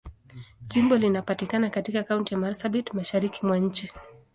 Jimbo linapatikana katika Kaunti ya Marsabit, Mashariki mwa nchi.